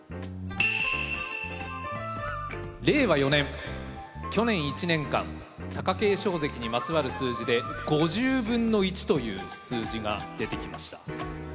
令和４年去年１年間貴景勝関にまつわる数字で「」という数字が出てきました。